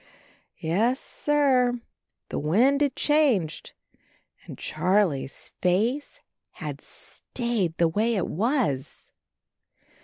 Yes, sir — ^the wind had changed and Charlie's face had stayed the way it was